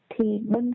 thì bên công ty